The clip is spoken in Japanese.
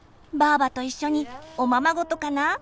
ばあばと一緒におままごとかな？